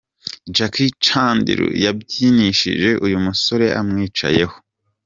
Jackie Chandiru yabyinishije uyu musore amwicayeho.